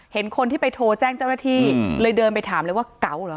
เห็นคนที่ไปโทรแจ้งเจ้าหน้าที่เลยเดินไปถามเลยว่าเก๋าเหรอ